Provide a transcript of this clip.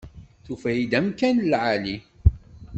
Tufa-yi-d amkan n lεali.